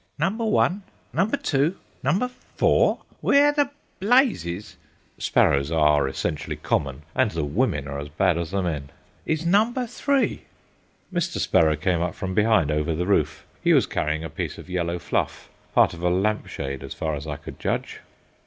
"Number one, number two, number four; where the blazes"—sparrows are essentially common, and the women are as bad as the men—"is number three?" Mr. Sparrow came up from behind, over the roof. He was carrying a piece of yellow fluff, part of a lamp shade, as far as I could judge.